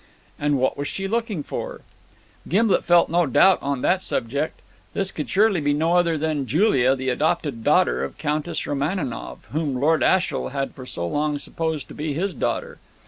And what was she looking for? Gimblet felt no doubt on that subject. This could surely be no other than Julia, the adopted daughter of Countess Romaninov, whom Lord Ashiel had for so long supposed to be his daughter.